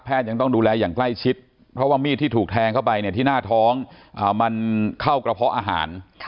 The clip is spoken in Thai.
ยังต้องดูแลอย่างใกล้ชิดเพราะว่ามีดที่ถูกแทงเข้าไปเนี่ยที่หน้าท้องมันเข้ากระเพาะอาหาร